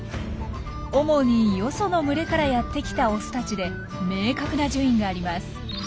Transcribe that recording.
主によその群れからやって来たオスたちで明確な順位があります。